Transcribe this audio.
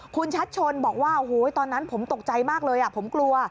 คุณชัดชนบอกว่าโอ้โหตอนนั้นผมตกใจมากเลยผมกลัว